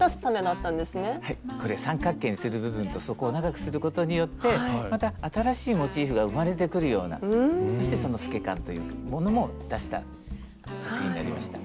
三角形にする部分とそこを長くすることによってまた新しいモチーフが生まれてくるようなそしてその透け感というものも出した作品になりました。